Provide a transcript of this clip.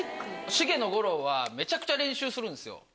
茂野吾郎はめちゃくちゃ練習するんすよ。